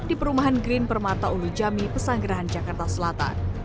di perumahan green permata ulu jami pesanggerahan jakarta selatan